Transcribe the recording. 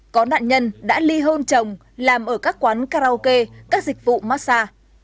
có nạn nhân đã ly hôn trồng làm ở các quán karaoke các dịch vụ massage